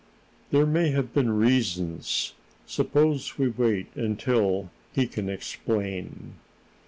"There may have been reasons. Suppose we wait until he can explain."